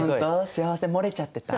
幸せ漏れちゃってた？